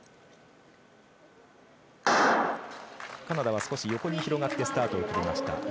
カナダは少し横に広がってスタートを切りました。